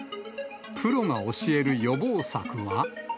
プロが教える予防策は。